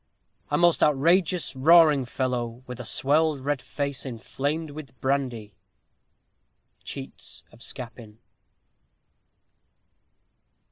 _ A most outrageous, roaring fellow, with a swelled red face inflamed with brandy. _Cheats of Scapin.